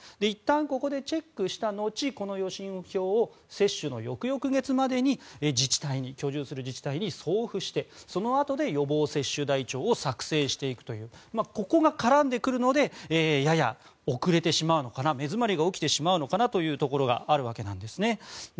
いったんここでチェックした後この予診票を接種の翌々月までに自治体に送付してそのあとで予防接種台帳を作成していくというここが絡んでくるのでやや遅れてしまうのかな目詰まりが起きてしまうのかなというところがあるわけなんです。